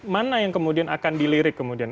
mana yang kemudian akan dilirik kemudian